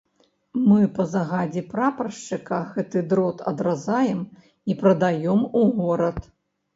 Мы па загадзе прапаршчыка гэты дрот адразаем і прадаём у горад.